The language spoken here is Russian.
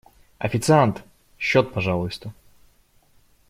Официант! Счёт, пожалуйста.